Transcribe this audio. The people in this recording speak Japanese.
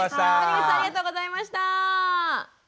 谷口さんありがとうございました。